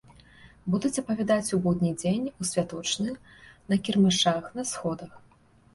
Будуць апавядаць у будні дзень, у святочны, на кірмашах, на сходах.